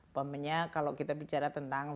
apabila kita bicara tentang